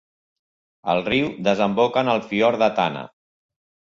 El riu desemboca en el fiord de Tana.